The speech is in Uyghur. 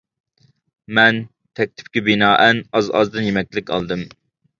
مەن تەكلىپكە بىنائەن ئاز-ئازدىن يېمەكلىك ئالدىم.